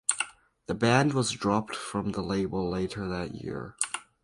The band was dropped from the label later that year.